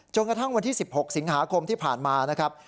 กระทั่งวันที่๑๖สิงหาคมที่ผ่านมานะครับ